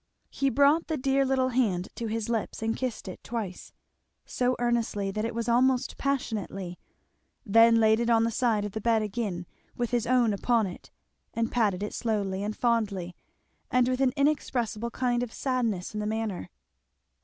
He brought the dear little hand to his lips and kissed it twice, so earnestly that it was almost passionately; then laid it on the side of the bed again, with his own upon it, and patted it slowly and fondly and with an inexpressible kind of sadness in the manner.